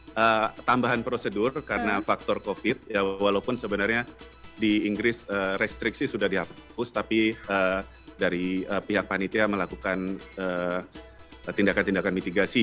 ada tambahan prosedur karena faktor covid ya walaupun sebenarnya di inggris restriksi sudah dihapus tapi dari pihak panitia melakukan tindakan tindakan mitigasi